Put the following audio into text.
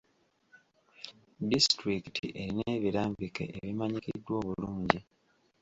Disitulikiti erina ebirambike ebimanyikiddwa obulungi.